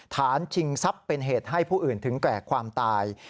ชิงทรัพย์เป็นเหตุให้ผู้อื่นถึงแก่ความตาย